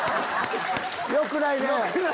よくないね！